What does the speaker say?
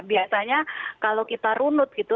biasanya kalau kita runut gitu